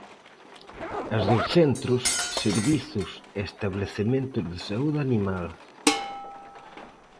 As dos centros, servizos e establecementos de saúde animal.